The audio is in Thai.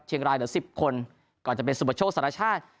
เชียงรายเดี๋ยว๑๐คนก่อนจะเป็นสุบช้าสนชาติ